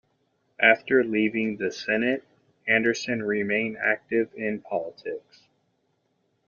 After leaving the Senate, Anderson remained active in politics.